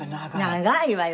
長いわよ！